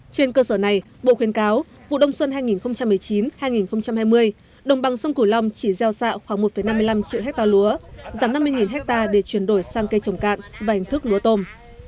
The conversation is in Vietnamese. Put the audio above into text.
trên cơ sở này bộ khuyên cáo vụ đông xuân hai nghìn một mươi chín hai nghìn hai mươi đồng bằng sông cửu long chỉ gieo xạ khoảng một năm mươi năm triệu hectare lúa giảm năm mươi ha để chuyển đổi sang cây trồng cạn và hình thức lúa tôm